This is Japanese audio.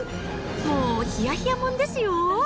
もうひやひやもんですよ。